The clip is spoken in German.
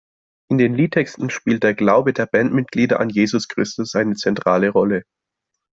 In den Liedtexten spielt der Glaube der Bandmitglieder an Jesus Christus eine zentrale Rolle.